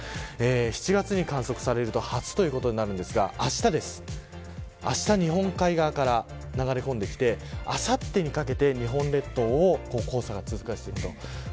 ７月に観測されると初ですがあした、日本海側から流れ込んできてあさってにかけて、日本列島を黄砂が通過していきます。